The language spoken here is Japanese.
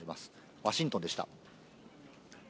ワシントンでした。